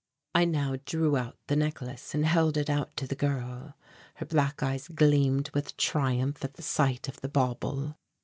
I now drew out the necklace and held it out to the girl. Her black eyes gleamed with triumph at the sight of the bauble.